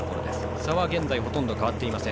差は現在ほとんど変わっていません。